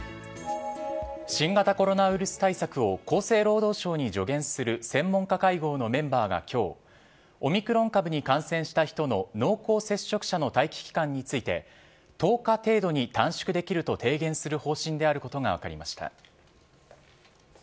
新型コロナウイルス対策を厚生労働省に助言する専門家会合のメンバーが今日オミクロン株に感染した人の濃厚接触者の待機期間について１０日程度に短縮できると提言する方針であることが分かりました。